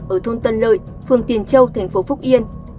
ở thôn tân lợi phường tiền châu thành phố phúc yên